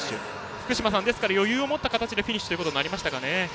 福島さん、余裕を持った形でフィニッシュとなりましたかね。